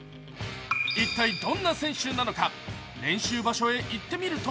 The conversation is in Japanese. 一体どんな選手なのか、練習場所へ行ってみると